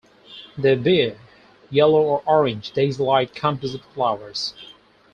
They bear yellow or orange daisy-like composite flowers.